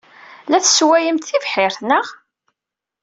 La tesswayemt tibḥirt, naɣ?